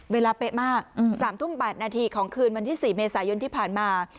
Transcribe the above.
เป๊ะมาก๓ทุ่ม๘นาทีของคืนวันที่๔เมษายนที่ผ่านมา